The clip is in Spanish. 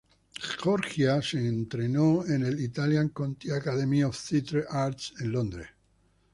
Georgia se entrenó en el "Italia Conti Academy of Theatre Arts" en Londres.